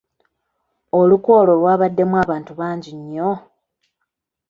Olukwe olwo lwabaddemu abantu bangi nnyo.